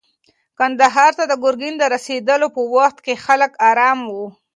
کندهار ته د ګرګین د رسېدلو په وخت کې خلک ارام وو.